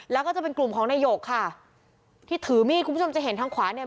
แล้วก็จะเป็นกลุ่มของนายหยกค่ะที่ถือมีดคุณผู้ชมจะเห็นทางขวาเนี่ย